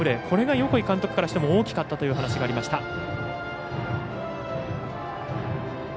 これが横井監督からしても大きかったという話がありました。